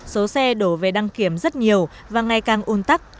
số xe đổ về đăng kiểm rất nhiều và ngày càng un tắc